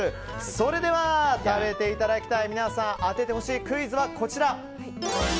それでは食べていただきたい皆さん当ててほしいクイズはこちら。